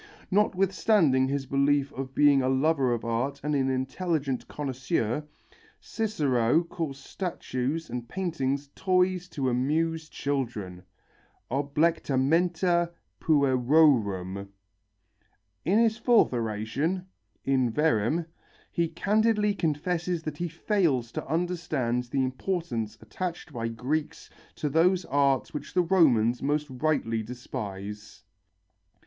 Notwithstanding his belief of being a lover of art and an intelligent connoisseur, Cicero calls statues and paintings toys to amuse children (oblectamenta puerorum). In his fourth oration, In Verrem, he candidly confesses that he fails to understand the importance attached by Greeks to those arts which the Romans most rightly despise.